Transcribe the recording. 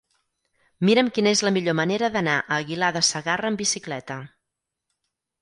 Mira'm quina és la millor manera d'anar a Aguilar de Segarra amb bicicleta.